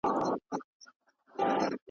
ماشومان له لوبو زده کړه کوي.